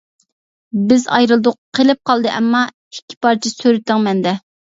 بىز ئايرىلدۇق قېلىپ قالدى ئەمما، ئىككى پارچە سۈرىتىڭ مەندە.